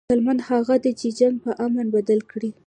عقلمند هغه دئ، چي جنګ په امن بدل کي.